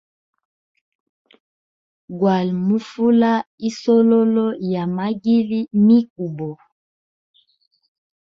Gwali mu fula isololo ya ningili mikubo.